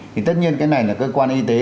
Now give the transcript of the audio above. thì tất nhiên cái này là cơ quan y tế